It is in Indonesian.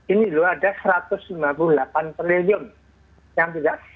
ini loh ada satu ratus sembilan puluh delapan triliun yang tidak